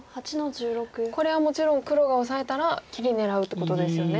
これはもちろん黒がオサえたら切り狙うってことですよね。